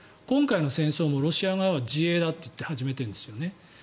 今回の戦争もロシア側は自衛だといって始めているんですよね。